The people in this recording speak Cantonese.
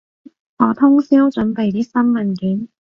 我通宵準備啲新文件